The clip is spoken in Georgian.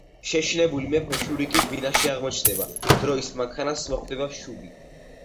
შეშინებული მეფე შურიკის ბინაში აღმოჩნდება, დროის მანქანას მოხვდება შუბი.